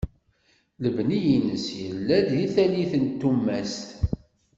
Lebni-ines yella-d deg tallit tummast.